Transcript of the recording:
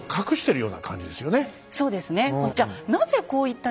そうですねじゃ